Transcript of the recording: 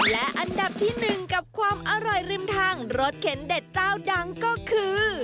และอันดับที่๑กับความอร่อยริมทางรสเข็นเด็ดเจ้าดังก็คือ